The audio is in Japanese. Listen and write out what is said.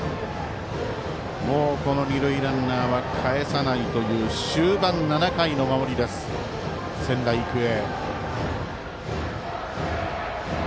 もう、この二塁ランナーはかえさないという終盤７番の守りです、仙台育英。